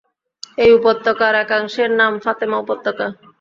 এই উপত্যকার একাংশের নাম ফাতেমা উপত্যকা।